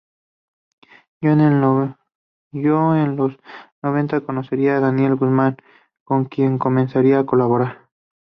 Ya en los noventa conocería a Daniel Guzmán con quien comenzaría a colaborar.